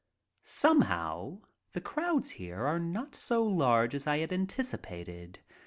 Somehow the crowds here are not so large as I had antici pated.